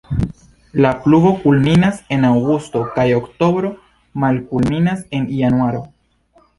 La pluvo kulminas en aŭgusto kaj oktobro, malkulminas en januaro.